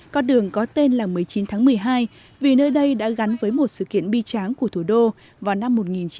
con đường có tên là một mươi chín tháng một mươi hai vì nơi đây đã gắn với một sự kiện bi tráng của thủ đô vào năm một nghìn chín trăm bảy mươi